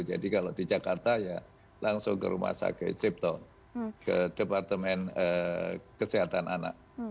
jadi kalau di jakarta ya langsung ke rumah sakit ke departemen kesehatan anak